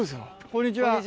こんにちは。